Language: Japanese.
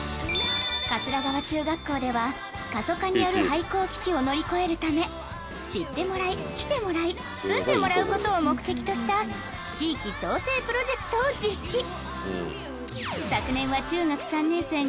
川中学校では過疎化による廃校危機を乗り越えるため知ってもらい来てもらい住んでもらうことを目的とした地域創生プロジェクトを実施